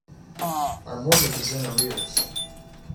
Our mortgage is in arrears.